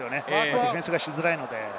ディフェンスしづらいので。